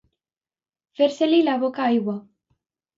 Fer-se-li la boca aigua.